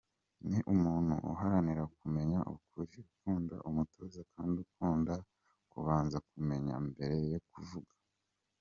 Ni umuntu uharanira kumenya ukuri, ukunda umutuzo kandi ukunda kubanza kumenya mbere yo kuvuga.